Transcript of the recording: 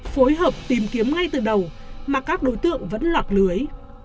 phối hợp tìm kiếm ngay từ đầu mà các đối tượng vẫn loạt lưới